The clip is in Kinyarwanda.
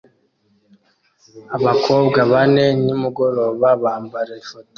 Abakobwa bane nimugoroba bambara ifoto